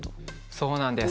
そうなんです。